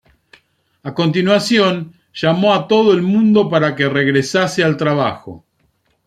A continuación, llamó a todo el mundo para que regresase al trabajo.